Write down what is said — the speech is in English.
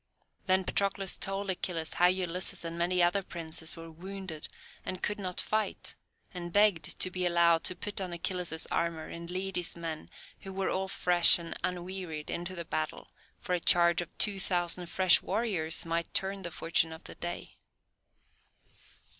Then Patroclus told Achilles how Ulysses and many other princes were wounded and could not fight, and begged to be allowed to put on Achilles' armour and lead his men, who were all fresh and unwearied, into the battle, for a charge of two thousand fresh warriors might turn the fortune of the day.